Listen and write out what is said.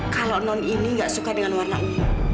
kalau non ini gak suka dengan warna ungu